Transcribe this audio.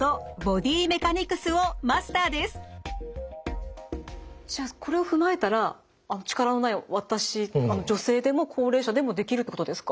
見事じゃあこれを踏まえたら力のない私女性でも高齢者でもできるってことですか？